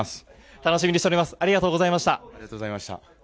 楽しみにしております。